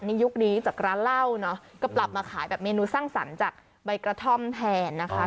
ยุคนี้จากร้านเหล้าเนอะก็ปรับมาขายแบบเมนูสร้างสรรค์จากใบกระท่อมแทนนะคะ